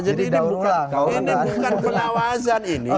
jadi ini bukan pengawasan ini